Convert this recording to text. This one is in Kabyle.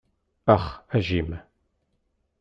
Ax a Jim.